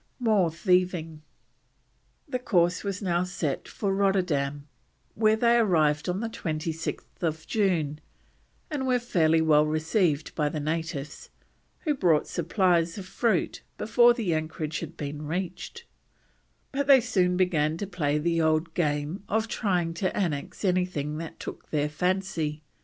MORE THIEVING. The course was now set for Rotterdam, where they arrived on 26th June, and were fairly well received by the natives, who brought supplies of fruit before the anchorage had been reached; but they soon began to play the old game of trying to annex anything that took their fancy.